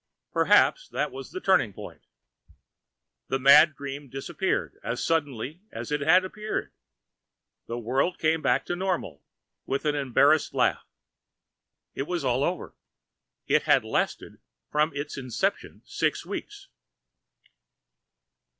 And perhaps that was the turning point. The mad dream disappeared as suddenly as it had appeared. The world came back to normal with an embarrassed laugh. It was all over. It had lasted from its inception six weeks.